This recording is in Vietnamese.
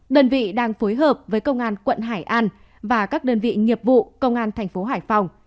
đơn vị đang phối hợp với công an quận hải an và các đơn vị nghiệp vụ công an thành phố hải phòng